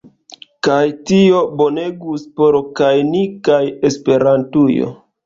Kaj tio bonegus por kaj ni kaj Esperantujo.